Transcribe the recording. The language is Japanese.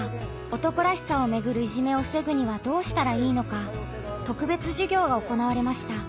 「男らしさ」をめぐるいじめを防ぐにはどうしたらいいのか特別授業が行われました。